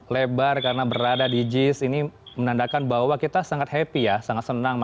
selamat siang waalaikumsalam